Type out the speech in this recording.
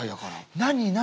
何？